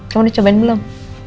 kamu udah cobain belum